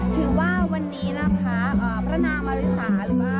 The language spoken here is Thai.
ถือว่าวันนี้นะคะพระนางมาริสาหรือว่าแม่แก้วกลายานีนะคะ